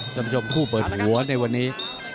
จะไปชมคู่เปิดหัวในวันนี้